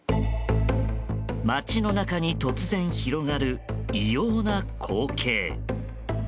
町の中に突然広がる異様な光景。